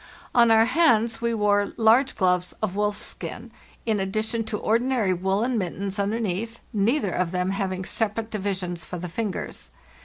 On our ands we wore large gloves of wolfskin, in addition to ordinary woollen mittens underneath, neither of them having separate divisions for the fingers.